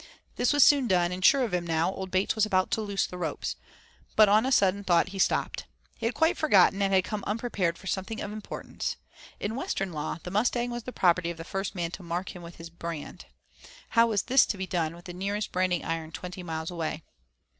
This was soon done, and sure of him now old Bates was about to loose the ropes, but on a sudden thought he stopped. He had quite forgotten, and had come unprepared for something of importance. In Western law the Mustang was the property of the first man to mark him with his brand; how was this to be done with the nearest branding iron twenty miles away?